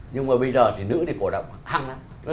nhưng mà bây giờ thì nữ đi cổ động hăng lắm